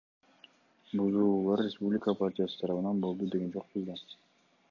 Бузуулар Республика партиясы тарабынан болду деген жокпуз да.